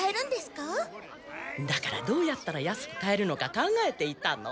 だからどうやったら安く買えるのか考えていたの。